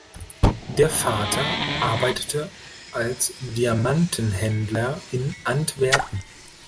Der Vater arbeitete als Diamantenhändler in Antwerpen.